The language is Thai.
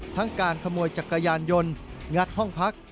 การขโมยจักรยานยนต์งัดห้องพัก